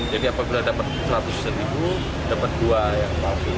jadi apabila dapat seratus ribu dapat dua yang palsu